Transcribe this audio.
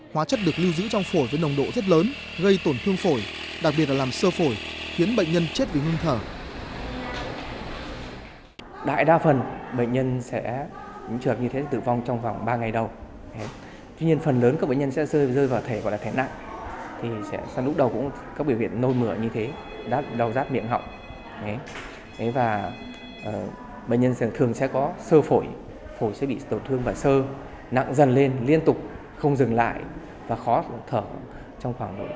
hóa chất được lưu giữ trong phổi với nồng độ rất lớn gây tổn thương phổi đặc biệt là làm sơ phổi khiến bệnh nhân chết vì ngưng thở